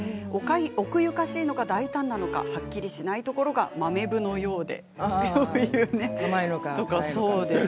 奥ゆかしいのか大胆なのかはっきりしないところが辛いのか甘いのか。